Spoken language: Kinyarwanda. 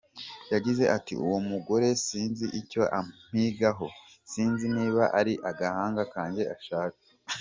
Yagize ati “Uwo mugore sinzi icyo ampigaho, sinzi niba ari agahanga kanjye ashaka.